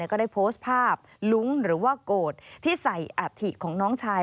ก็ได้โพสต์ภาพลุ้งหรือว่าโกรธที่ใส่อัฐิของน้องชาย